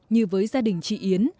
như với gia đình chị yến